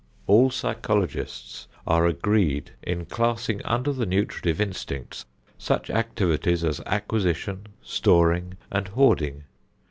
All psychologists are agreed in classing under the nutritive instinct such activities as acquisition, storing and hoarding.